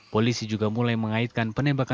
polisi juga mulai mengaitkan penembakan